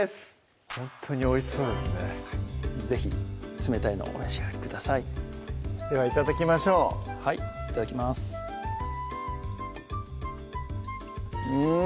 ほんとにおいしそうですね是非冷たいのをお召し上がりくださいではいただきましょうはいいただきますうん！